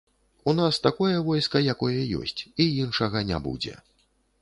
У нас такое войска, якое ёсць, і іншага не будзе.